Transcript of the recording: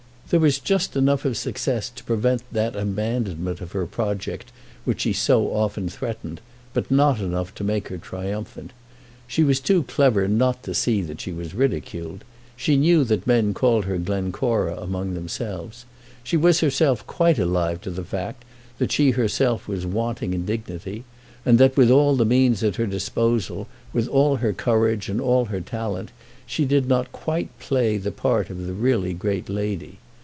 There was just enough of success to prevent that abandonment of her project which she so often threatened, but not enough to make her triumphant. She was too clever not to see that she was ridiculed. She knew that men called her Glencora among themselves. She was herself quite alive to the fact that she herself was wanting in dignity, and that with all the means at her disposal, with all her courage and all her talent, she did not quite play the part of the really great lady.